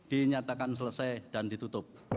dinyatakan selesai dan ditutup